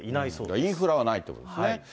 インフラはないということですね。